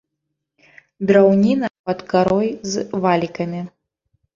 Драўніна пад карой з валікамі.